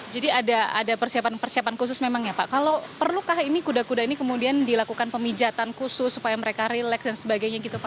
jadi ada persiapan khusus memang ya pak kalau perlukah ini kuda kuda ini kemudian dilakukan pemijatan khusus supaya mereka relax dan sebagainya gitu pak